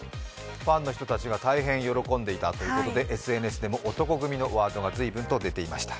ファンの人たちが大変喜んでいたということで、ＳＮＳでも男闘呼組のワードが随分出ていました。